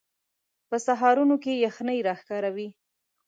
په سهارونو کې یخنۍ راښکاره وي